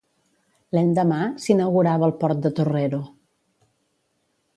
L'endemà, s'inaugurava el port de Torrero.